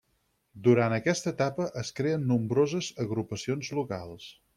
Durant aquesta etapa es creen nombroses agrupacions locals.